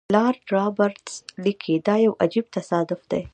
لارډ رابرټس لیکي دا یو عجیب تصادف دی.